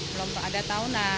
belum ada tahu